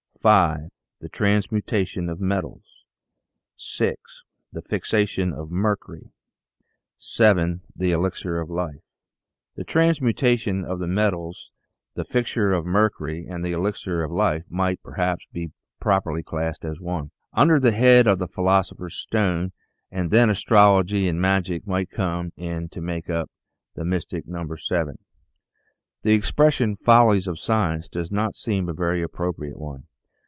5. The Transmutation of the Metals. 6. The Fixation of Mercury. 7. The Elixir of Life. The Transmutation of the Metals, the Fixation of Mer cury, and the Elixir of Life might perhaps be properly THE SEVEN FOLLIES OF SCIENCE 3 classed as one, under the head of the Philosopher's Stone, and then Astrology and Magic might come in to make up the mystic number Seven. The expression " Follies of Science " does not seem a very appropriate one.